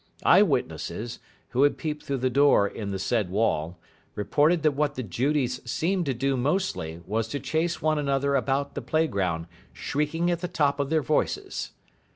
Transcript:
Eye witnesses, who had peeped through the door in the said wall, reported that what the Judies seemed to do mostly was to chase one another about the playground, shrieking at the top of their voices.